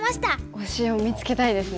推しを見つけたいですね。